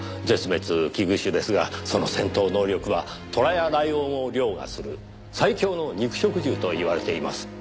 絶滅危惧種ですがその戦闘能力はトラやライオンを凌駕する最強の肉食獣といわれています。